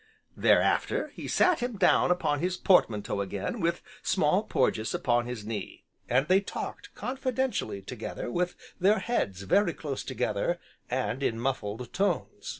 Thereafter he sat him down upon his portmanteau again, with Small Porges upon his knee, and they talked confidentially together with their heads very close together and in muffled tones.